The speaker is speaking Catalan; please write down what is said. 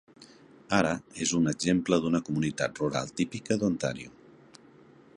Ara és un exemple d'una comunitat rural típica d'Ontario.